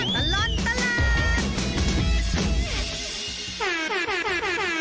ชั่วตลอดตลาด